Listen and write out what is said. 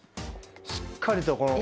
しっかりとこの。